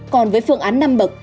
còn với phương án năm bậc